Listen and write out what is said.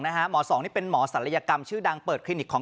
หมอสองนี่เป็นหมอศัลยกรรมชื่อดังเปิดคลินิกของ